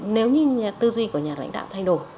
nếu như tư duy của nhà lãnh đạo thay đổi